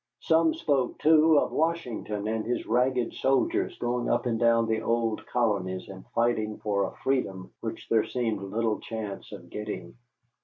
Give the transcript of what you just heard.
Some spoke, too, of Washington and his ragged soldiers going up and down the old colonies and fighting for a freedom which there seemed little chance of getting.